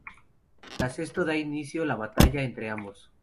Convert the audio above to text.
Tras esto da inicio la batalla entre ambos.